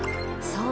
そう！